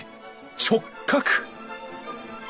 直角！